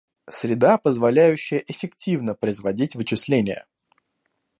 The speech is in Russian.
Среда позволяющая эффективно производить вычисления